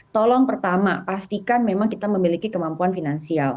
tolong pertama pastikan memang kita memiliki kemampuan finansial